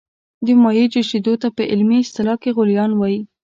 د مایع جوشیدو ته په علمي اصطلاح کې غلیان وايي.